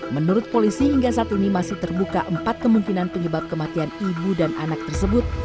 menurut polisi hingga saat ini masih terbuka empat kemungkinan penyebab kematian ibu dan anak tersebut